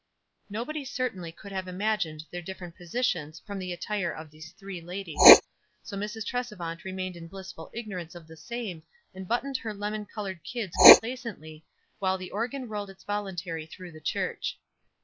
Nobody certainly would have imagined their different positions from the attire of the three ladies; so Mrs. Tresevant remained in bli ignorance of the same, and buttoned her lemon colored kids complacently, while the organ 2 18 WISE AXD OTHERWISE. rolled its voluntary through the church.